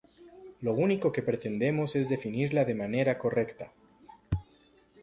¡lo único que pretendemos es definirla de manera correcta!